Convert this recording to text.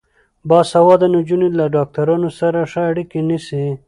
باسواده نجونې له ډاکټرانو سره ښه اړیکه نیسي.